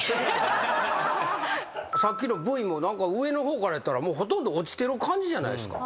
さっきのＶも上の方からやったらほとんど落ちてる感じじゃないですか。